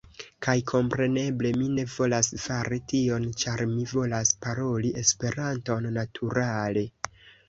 Kaj kompreneble, mi ne volas fari tion ĉar mi volas paroli Esperanton naturale